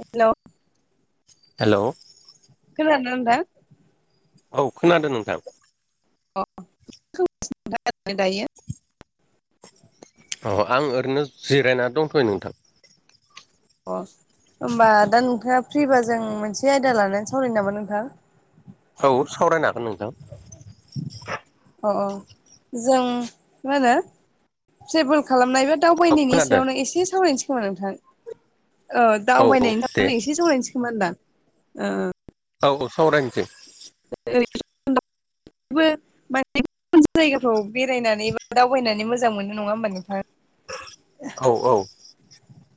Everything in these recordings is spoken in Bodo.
हेलौ। हेलौ। खोनाद ना नोथां? औ खोनादों नोंथां। अ [unintelligible] दायो अ आं ओरैनो जिरायनानै दंथ'यै नोंथां। अ होमबा दा नोंथाङा फ्रिबा जों मोनसे आयदा लानानै सावरायनि नामा नोंथां। औ सावरायनो हागोन नोंथां। अ-अ जों मानो [unintelligible] खालामनाय बा औ दावबायनायनि खोनादों सायावनो एसे सावरायनोसै खोमा नोंथां। औ औ दे दावबायनायनि [unintelligible] एसे सौरायनोसै होनदां। ओ ओ औ औ सावरायनिसै। [unintelligible] जो जायगाफ्राव बेरायनानै बा दावबायनानै मोजां मोनो नङा होमबा नोंथां? औ औ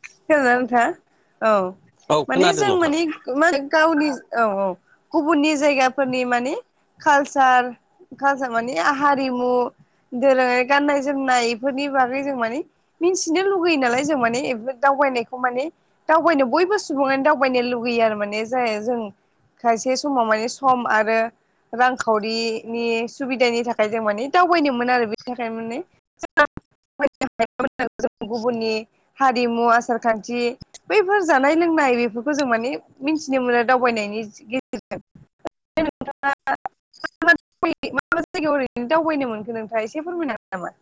खोनादों ना नोंथांआ औ औ माने खोनादों जों नोंथां माने मा गावनि औ औ गुबुननि जायगा फोरनि माने कालसार कालसार माने हारिमु दोरोङारि गाननाय जोमनाय बेफोरनि बागै जों माने मिथिनो लुगैयो नालाय जों माने दाउ दावबायनायखौ माने दावबायनो बयबो सुबुङानो दावबायनो लुुबैयो आरो माने जाय‌ जों खायसे समावहाय सम आरो रांखावरिनि सुबिदानि थाखाय जों माने दावबायदोंमोन आरो बेनि थाखाय माने [unintelligible] जों गुबुननि हारिमु आसार खान्थि बैफोर जानाय लोंनाय बेफोरखौ जों माने मिथिनो मोनो दावबायनायनि गेजेरजों बेनिफ्राय नोंथाङा माबे मामा जायगायाव ओरैनो दावबायनो मोनखो नोंथाङा एसे फोरमायनो हागोन नामा।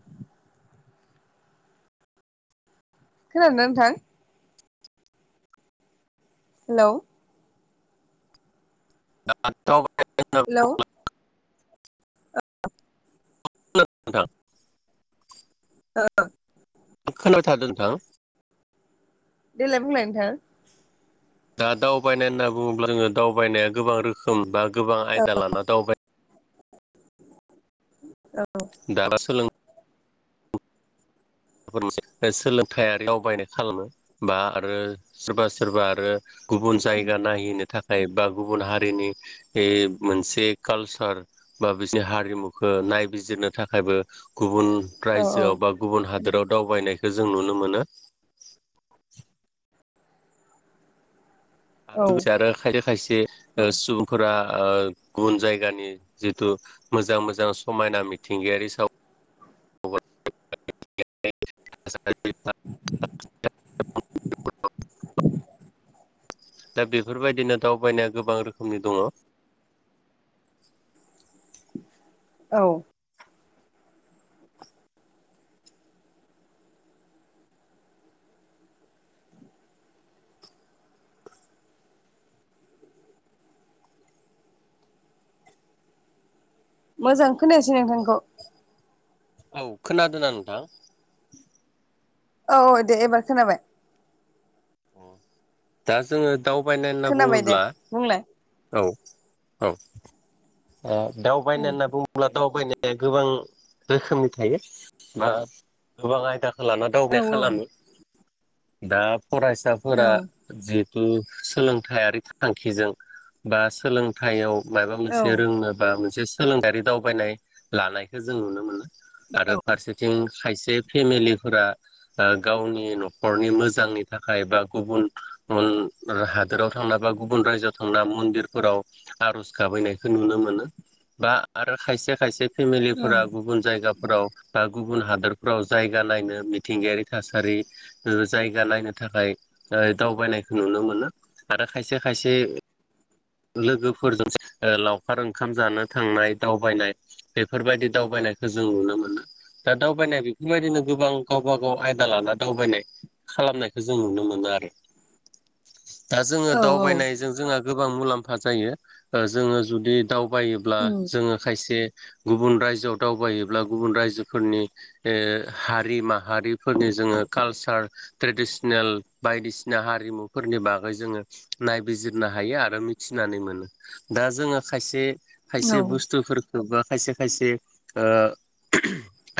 खोनादोंना नोंथां हेलौ [unintelligible] हेलौ [unintelligible] [inaudible] [unintelligible] [inaudible] [unintelligible] देलाय बुंलाय नोंथां दा दावबायनाय होनना बुङोब्ला जोङो दावबायनाया गोबां रोखोम बा गोबां आयदा लाना दावबाय दारा सोलों सोलोंथायारि दावबायनाय खालामो बा आरो सोरबा सोरबा आरो गुबुन जायगा नायहैनो थाखाय बा गुबुन हारिनि मोनसे कालसार बा बिसोरनि हारिमुखौ नायबिजिरनो थाखायबो गुबुन औ रायजोआव बा गुबुन हादोराव दावबायनायखौ जों नुनो मोनो औ लोगोसे आरो खायसे खायसे बे ओ सुबुंफोरा ओ गुबुन जायगानि जितु मोजां मोजां समायना मिथिंगायारि सावगारि [unintelligible] [inaudible] [inaudible] दा बेफोरबायदिनो दावबायनाया गोबां रोखोमनि दङ औ मोजां खोनायासै नोंथांखौ औ खोनादो ना नोंथां औ दे एबार खोनाबाय दा जोङो दावबायनाय होनना खोनाबाय दे बुङोब्ला बुंलाय औ औ ओ औ दावबायनाय होनना बुङोब्ला दावबायनाय गोबां रोखोमनि थायो बा गोबां आयदा लाना दावबाय खालामो दा फरायसाफोरा जि सोलोंथाइारि थांखिजों बा सोलोंथायाव माबा मोनसे रोंनो बा मोनसे सोलोंथायारि दावबायनाय लानायखौ जों नुनो मोनो आरो फारसेथिं खायसे फेमिलिफोरा ओ गावनि न'खरनि मोजां थाखाय बा गुबुन हादोराव थांना बा गुबुन रायजोआव थांना मन्दिरफोराव आर'ज गाबहैनायखौ नुनो मोनो बा आरो खायसे खायसे फेमिलिफोरा गुबुन जायगाफोराव बा गुबुन हादोरफ्राव जायगा नायनो मिथिंगायारि थासारि जायगा नायनो थाखाय दावबायनायखौ नुनो मोनो आरो खायसे खायसे लोगोफोरजों लावखार ओंखाम जानो थांनाय दावबायनाय बेफोरबायदि दावबायनायखौ जों नुनो मोनो दा दावबायनाय बेफोरबायदिनो गोबां गावबा गाव आयदा लाना दावबायनाय खालामनाय जों नुनो मोनो आरो दा जोङो दावबायनायजों जोंहा गो गोबां मुलाम्फा जायो जोङो जुदि दावबायोब्ला उम जोङो खायसे गुबुन रायजोआव दावबायोब्ला गुबुन रायजोफोरनि ओ हारि माहारिफोरनि जोङो कालसार ट्रेडिसन नेल बायदिसिना हारिमुफोरनि बागै जोङो नायबिजिरनो हायो आरो मिथिनानै मोनो दा जोङो खायसे औ खायसे बुस्थु बा खायसे खायसे ओ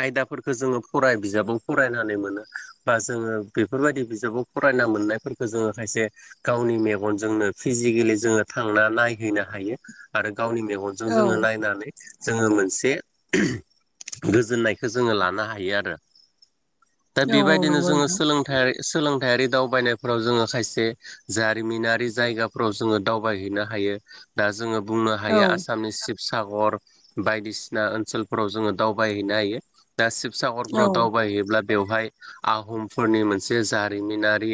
आयदाफोरखौ जोङो फराय बिजाबाव फरायनानै मोनो बा जोङो बेफोरबायदि बिजाबाव फराय मोननायफोरखौ जोङो खायसे गावनि मेगनजोंनो फिजिकेलि जोङो थांना नाय नायहैनो हायो आरो गावनि मेगनजों औ जोङो नायनानै जोङो मोनसे गोजोननायखौ जोङो लानो हायो आरो दा औ बेबायदिनो नंगौ जोङो नोंथां सोलोंथाइ सोलोंथायारि दावबायनायफोराव जोङो खायसे जारिमिनारि जायगाफोराव जोङो दावबायहैनो हायो हायो दा जोङो बुंनो औ हायो आसामनि सिप सागर बायदिसिना ओनसोलफोराव जोङो दावबायहैनो हायो दा शिब सागरफोराव औ दावबायहैयोब्ला बेवहाय आहमफोरनि मोन से जारिमिनारि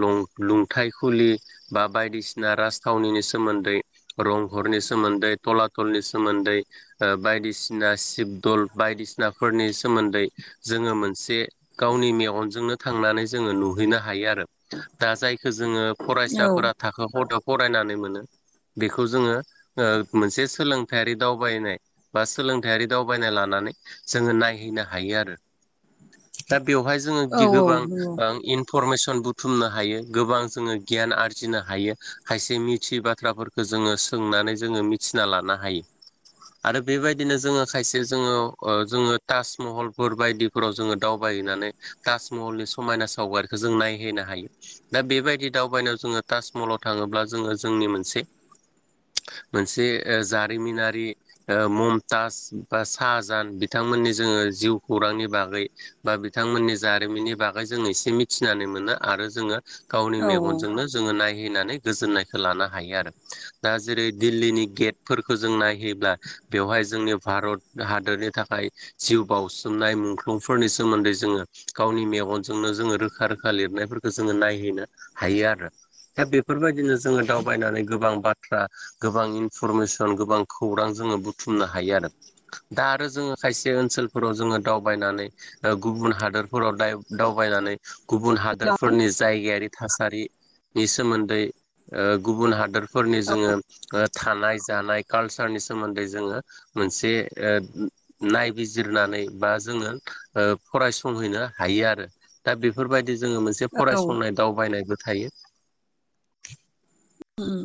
लुं लुंथाय खुलि बा बायदिसिना राजथावनि सोमोन्दै रंहरनि सोमोन्दै थलनि सोमोन्दै ओ बायदिसिना शिब दल बायदिसिनाफोरनि सोमोन्दै जों जोङो मोनसे गावनि मेगनजोंनो थांनानै जोङो नुहैनो हायो आरो दा जायखौ जोङो औ फरायसाफोरा थाखो खथा फरायनानै मोनो बेखौ जोङो ओ मोनसे सोलोंथायारि दावबायनाय बा सोलोंथायारि दावबायनाय लानानै नानै जों नायहैनो हायो आरो दा बेवहाय जोङो औ औ गोबां नंगौ ओ इनपरमेसन ओ बुथुमनो हायो गोबां जोङो गियान आरजिनो हायो खायसे मिथि बाथ्राफोरखौ जोङो सोंनानै जोङो मिथिना लानो हायो आरो बेबायदिनो जोङो खायसे जोङो ओ जोङो ताजमहलफोर बायदिफोराव जोङो दावबाय हैनानै ताजमहलनि समायना सावगारिखौ जों नायहैनो हायो दा बेबायदि दावबायनायाव जोङो ताजमहलाव थाङो थाङोब्ला जोङो जोंनि मोनसे मोनसे जारिमिनारि ओ ममताज बा साहजाहान बिथांमोननि जोङो जिउ खौरांनि बागै बा बिथांमोननि जारिमिननि बागै जों इसे मिथिनानै मोनो आरो जोङो गावनि औ मेगनजोंनो जोङो नाय नायैनानै गोजोननायखौ लानो हायो आरो दा जेरै दिल्लीनि गेटफोरखौ जों नायहैब्ला बेवहाय जोंनि भारत हादोरनि थाखाय जिउ बासोमनाय मुंख्लंफोरनि सोमोन्दै जोङो गावनि मेगनजोंनो जोङो रोखा रोखा लिरनायफोरखौ जोङो नायहैनो हायो आरो दा बेफोरबायदिनो जोङो दावबायनानै गोबां बाथ्रा गोबां इनफरमेसन गोबां खौरां जों जों बुथुमनो हायो आरो दा आरो जोङो खायसे ओनसोलफोराव जोङो दावबायनानै गुबुन हादोर फोराव दावबायनानै गुबुन हादोरफोरनि जायगायारि थासा थासारिनि सोमोन्दै ओ गुबुन हादोर फोरनि जोङो ओ थानाय जानाय कालसारनि सोमोन्दै जोङो मोनसे ओ नायबिजिरनानै बा जोङो ओ फरायसंहैनो हायो आरो दा बेफोरबायदि जोङो मोनसे फरायसंनाय दावबायनाय हायो उम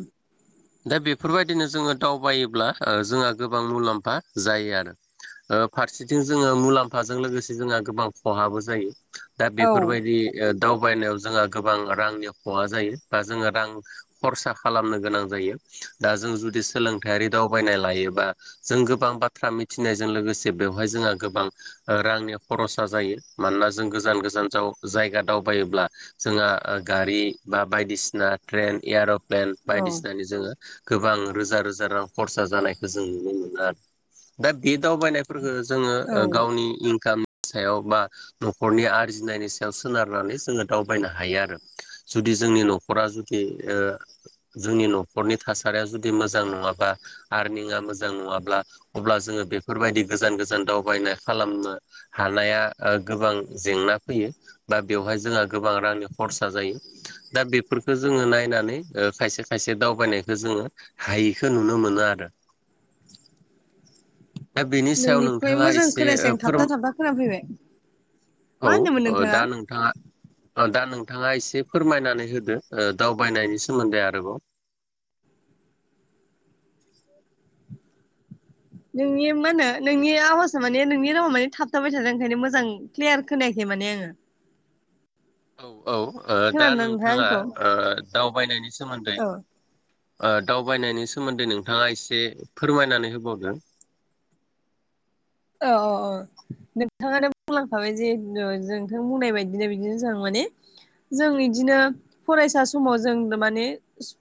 दा बेफोरबायदिनो जोङो दावबायोब्ला ओ जोंहा गोबां मुलाम्फा जायो आरो। फारसेथिं जोङो मुलाम्फाजों लोगोसे जोंहा गोबां खहाबो जायो। दा औ बेफोरबायदि। दावबायनायाव जोंहा गोबां रांनि खहा जायो बा जोङो रां खरसा खालामनो गोनां। जायो दा जों जुदि सोलोंथारि दावबायनाय लायोबा जों गोबां बाथ्रा मिथिनायजों लोगोसे लोगोसे बेवहाय जोंहा गोबां रांनि खरसा जायो मानोना जों गोजान गोजान जायगा दं दावायोब्ला जोंहा गारि बा बायदिसिना ट्रेन एर'प्लेन बायदिसिना जोङो गोबां रोजा रोजा रां खरसा जानायखौ जों नुनो मोनो आरो। दा बे दावबायनायफोरखौ जोङो औ औ गावनि इनकाम सायाव बा न'खरनि आरजिनायनि सायाव सोनारनानै जोङो दावबायनो हायो आरो जुदि जोंनि न'खरा जुदि ओ जोंनि न'खरनि थासारिया जुदि मोजां नङाबा आरनिया मोजां नङाब्ला अब्ला जोङो बे बेफोरबायदि गोजान गोजान दावबायनाय खालामनो हानाया गोबां जेंना फैयो। बा बेवहाय जोंहा गोबां रांनि खरसा जायो दा बेफोरखौ जोङो नायनानै खायसे खायसे दावबायनायखौ जोङो हायिखौ नुनो मोनो आरो। दा बेनि सायाव नोंनिखौहाय नोंथाङा मोजां एसे खोनायासै आं फोर थाबथा थाबथा खोनाफैबाय मा औ होनदोंमोन नोंथाङा दा नोंथाङा दा नों थाङा एसे फोरमायनानै होदो ओ दावबायनायनि सोमोन्दै आरोबाव [inaudible] नोंनि मा होनो नोंनि आवाजा माने नोंनि रावा माने थाबथाबाय थादों ओंखायनो मोजां क्लियार खोनायाखै माने आङो औ औ दा खोनादों ना नोंथाङा आंखौ ओ दावबायनायनि सोमोन्दै औ दावबायनायनि सोमोन्दै नोंथाङा एसे फोरमायनानै होबावगोन [inaudible] औ अ अ नोंथाङानो बुंलांखाबाय जेहतु जोंथां बुंनाय बायदिनो बिदिनो [inaudible] जों इदिनो फरायसा समाव जों माने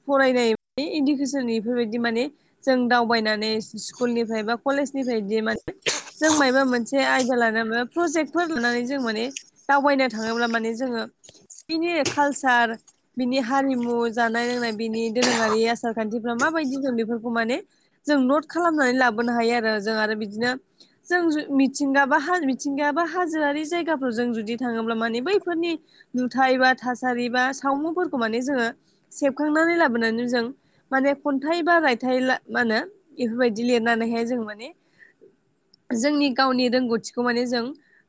फरायनाय इडुकेसननिफोर बेफोरबायदि माने जों दावबायनानै स्कुलनिफ्राय बा कलेजनिफ्राय बि माने जों मायबा मोनसे आयदा लानाय बा प्रजेक्टफोर लानानै जों माने दावबायनो थाङोब्ला माने जोङो बिनि कालसार बिनि हारिमु जानाय लोंनाय बिनि दोरोङारि आसार खान्थिफ्रा माबायदि दं बेफोरखौ माने जों नट खालामनानै लाबोनो हायो आरो जों आरो बिदिनो जों मिथिंगाबा मिथिंगायाबा हाजोआरि जायगाफोराव जों जुदि थाङोब्ला माने बैफोरनि नुथाय बा थासारि बा सावमुफोरखौ माने जोङो सेबखांनानै लाबोनानै जों माने खन्थाइ बा रायथाइ मा होनो बेफोरबायदि लिरनानैहाय जों माने जोंनि गावनि रोंगौथिखौ माने जों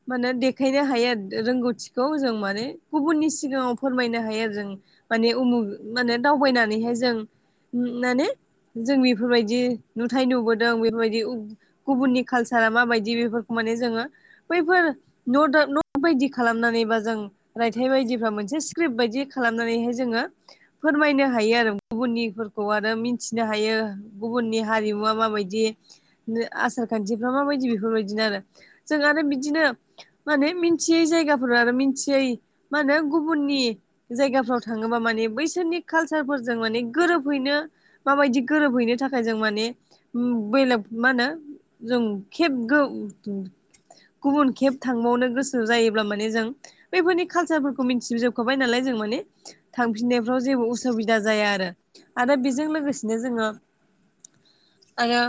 माने देखायनो हायो रोंगौथिखौ जों माने माने गुबुननि सिगाङाव फोरमायनो हायो आरो जों माने उमुख माने दावबायनानैहाय जों माने जों बेफोरबायदि नुथाय नुबोदों बेफोरबायदि गुबुननि कालसारा माबायदि बेफोरखौ माने जोङो बैफोर नत बायदि खालामनानैबा जों रायथाइ बायदिफ्रा मोनसे स्क्रिप्ट बायदि खालामनानैाय जोङो फोरमायनो हायो आरो गुबुननि आरो मिथिनो हायो गुबुननि हारिमुवा माबायदि आ सारखान्थिफ्रा माबायदि बेफोरबायदिनो आरो जों आरो बिदिनो माने मिथियै जायगाफोर आरो मिथियै गुबुननि जायगाफ्राव थाङोबा माने बैसोरनि कालचारफोरजों माने गोरोबहैनो माबायदि गोरोबहैनो थाखाय जों माने बेले मा होनो जों खेबगोन गुबुन खेब थांबावनो गोसो जायोब्ला माने जों बेफोरनि कालसारफोरखौ मिथिबोजोबखाबाय नालाय जों माने थांफिननायफ्राव जेबो उसुबिदा जाया आरो आरो बेजों लोगोसेनो जोङो आरो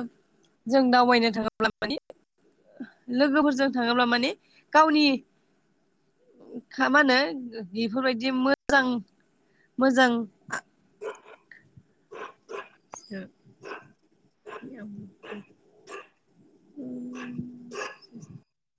जों दावबायनो [unintelligible] लोगोफोरजों थाङोब्ला माने गावनि खामानो बेफोरबायदि मोजां मोजां [unintelligible] औ।